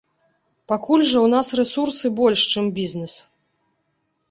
Пакуль жа ў нас рэсурсы больш, чым бізнес.